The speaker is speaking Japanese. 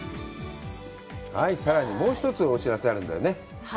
さらにもう一つお知らせあるんだよね？